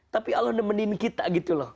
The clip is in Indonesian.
tapi allah nemenin kita gitu loh